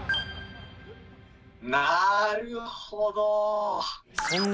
なるほど！